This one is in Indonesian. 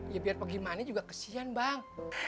ya biar pergi mana juga kesian bang